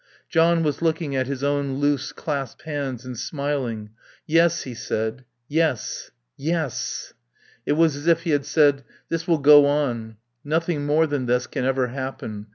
John was looking at his own loose clasped hands and smiling. "Yes," he said, "yes. Yes." It was as if he had said, "This will go on. Nothing more than this can ever happen.